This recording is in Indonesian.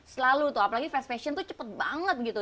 selalu tuh apalagi fast fashion tuh cepet banget gitu